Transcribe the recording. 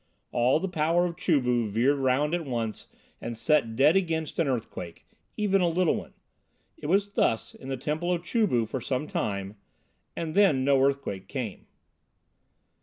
All the power of Chu bu veered round at once and set dead against an earthquake, even a little one. It was thus in the temple of Chu bu for some time, and then no earthquake came.